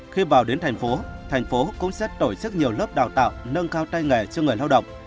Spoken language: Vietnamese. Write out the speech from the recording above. khi vào đến tp hcm tp hcm cũng sẽ tổ chức nhiều lớp đào tạo nâng cao tay nghề cho người lao động